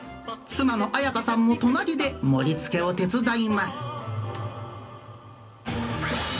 妻のあやかさんも隣で盛りつけを手伝います。